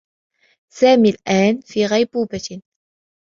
سامي الآن في غيبوبة.